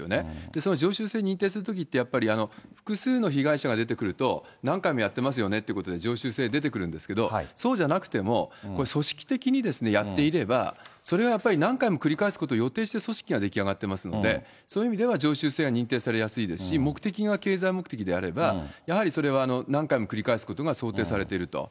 その常習性を認定するときって、やっぱり複数の被害者が出てくると、何回もやってますよねということで、常習性出てくるんですけど、そうじゃなくても、組織的にですね、やっていれば、それはやっぱり何回も繰り返すこと予定して組織が出来上がっていますので、そういう意味では常習性は認定されやすいですし、目的が経済目的であれば、やはりそれは何回も繰り返すことが想定されていると。